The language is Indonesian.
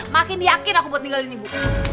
makin yakin aku buat ninggalin ibu